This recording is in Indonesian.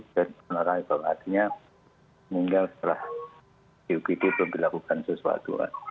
dan menarik bahwa artinya meninggal setelah ugv itu dilakukan sesuatu